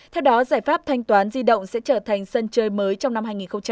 theo đó giải pháp thanh toán di động sẽ trở thành sân chơi mới trong năm hai nghìn hai mươi